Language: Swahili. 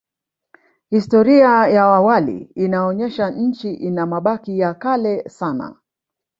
Historia ya awali inaonyesha Nchi ina mabaki ya kale sana